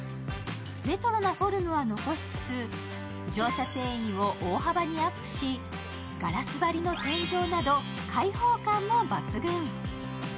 レトロなフォルムは残しつつ乗車定員を大幅にアップし、ガラス張りの天井など開放感も抜群。